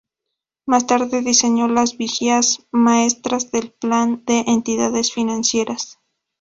Más tarde diseñó las vigas maestras del Plan de Entidades Financieras.